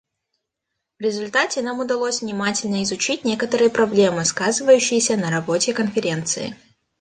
В результате нам удалось внимательно изучить некоторые проблемы, сказывающиеся на работе Конференции.